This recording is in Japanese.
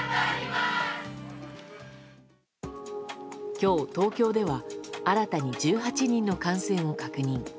今日、東京では新たに１８人の感染を確認。